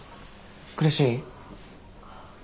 苦しい？